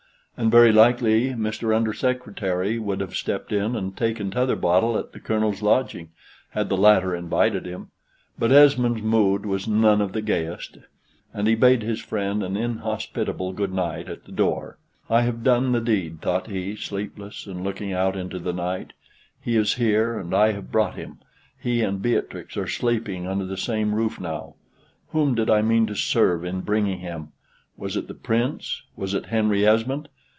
And very likely Mr. Under Secretary would have stepped in and taken t'other bottle at the Colonel's lodging, had the latter invited him, but Esmond's mood was none of the gayest, and he bade his friend an inhospitable good night at the door. "I have done the deed," thought he, sleepless, and looking out into the night; "he is here, and I have brought him; he and Beatrix are sleeping under the same roof now. Whom did I mean to serve in bringing him? Was it the Prince? was it Henry Esmond?